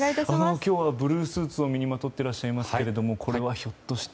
今日はブルースーツを身にまとっていらっしゃいますがひょっとして。